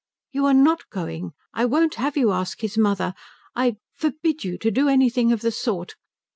"You are not going. I won't have you ask his mother. I forbid you to do anything of the sort.